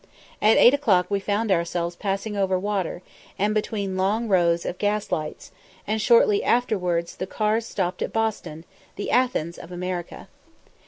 At eight o'clock we found ourselves passing over water, and between long rows of gas lights, and shortly afterwards the cars stopped at Boston, the Athens of America.